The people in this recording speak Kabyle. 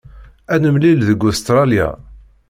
Ad nemlil deg Ustṛalya.